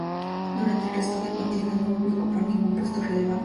Durante el resto de la contienda no volvió a ocupar ningún puesto relevante.